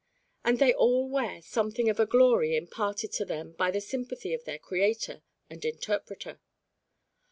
And they all wear something of a glory imparted to them by the sympathy of their creator and interpreter.